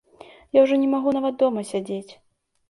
Я ўжо не магу нават дома сядзець.